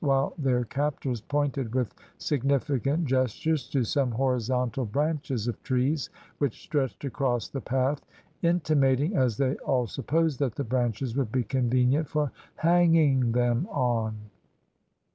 while their captors pointed with significant gestures to some horizontal branches of trees which stretched across the path, intimating, as they all supposed, that the branches would be convenient for hanging them on.